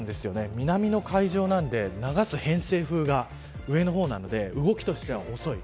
南の海上なので流す偏西風が上の方なので動きとしては遅い。